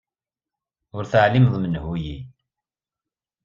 Ur teɛlimeḍ menhu-yi.